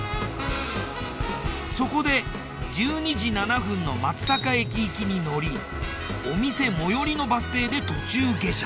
そこで１２時７分の松阪駅行きに乗りお店最寄りのバス停で途中下車。